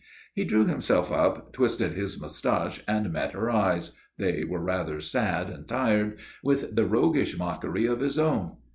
He drew himself up, twisted his moustache, and met her eyes they were rather sad and tired with the roguish mockery of his own.